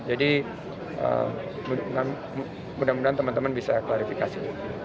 mudah mudahan teman teman bisa klarifikasi